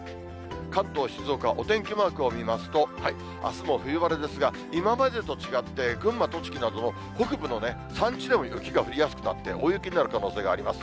関東、静岡、お天気マークを見ますと、あすも冬晴れですが、今までと違って、群馬、栃木などの北部のね、山地でも雪が降りやすくなって、大雪になる可能性があります。